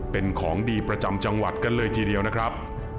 เป็นของดีประจำจังหวัดกันเลยทีเดียวนะครับ